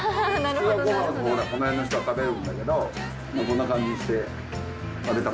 普通はご飯このへんの人は食べるんだけどもうこんな感じにして。